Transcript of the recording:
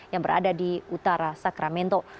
yang berada di utara sakramento